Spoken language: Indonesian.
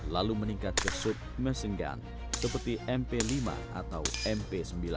lalu meningkat ke sub messing gun seperti mp lima atau mp sembilan